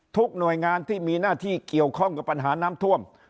หน่วยงานที่มีหน้าที่เกี่ยวข้องกับปัญหาน้ำท่วม